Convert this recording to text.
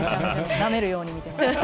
なめるように見てます。